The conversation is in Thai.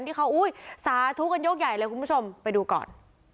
ที่เขาอุ้ยสาธุกันยกใหญ่เลยคุณผู้ชมไปดูก่อน